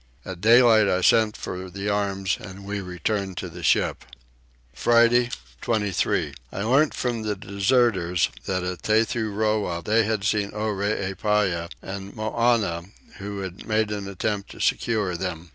At daylight I sent for the arms and we returned to the ship. Friday 23. I learnt from the deserters that at Tethuroa they had seen Oreepyah and Moannah, who had made an attempt to secure them.